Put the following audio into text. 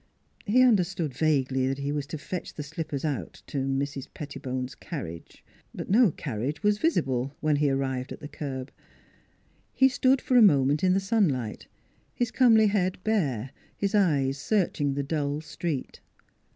He understood vaguely that he was to fetch the slippers out to Mrs. Pettibone's carriage. ... But no carriage was visible when he arrived at the curb. He stood for a moment in the sunlight, his comely head bare, his eyes searching the dull street.